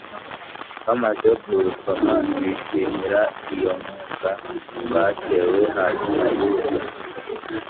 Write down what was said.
Bamaze kurusoma bishimira iyo nkunga batewe hanyuma yuda